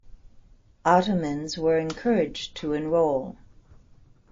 Ottomans were encouraged to enroll.